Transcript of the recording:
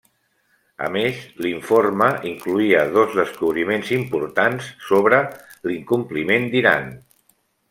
A més, l'informe incloïa dos descobriments importants sobre l'incompliment d'Iran.